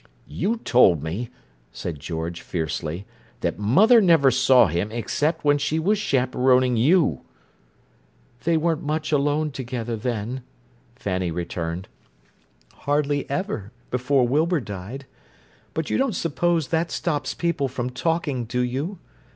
"You told me," said George, fiercely, "that mother never saw him except when she was chaperoning you." "They weren't much alone together, then," Fanny returned. "Hardly ever, before Wilbur died. But you don't suppose that stops people from talking, do you?